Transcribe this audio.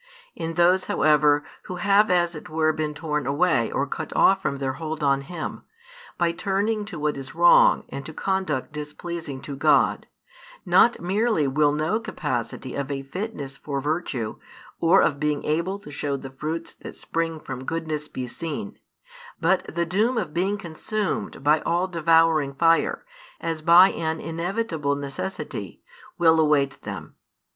In those however who have as it were been torn away or cut off from their hold on Him, by turning to what is wrong and to conduct displeasing to God, not merely will no capacity of a fitness for virtue, or of being able to show the fruits that spring from goodness be seen, but the doom of being consumed by all devouring fire, as by an inevitable necessity, will await them.